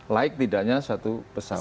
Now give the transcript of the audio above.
laik tidaknya satu pesawat